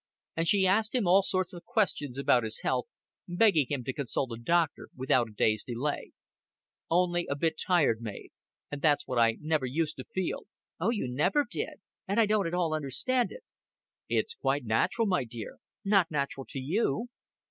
And she asked him all sorts of questions about his health, begging him to consult a doctor without a day's delay. "Only a bit tired, Mav and that's what I never used to feel." "No, you never did. And I don't at all understand it." "It's quite natural, my dear." "Not natural to you."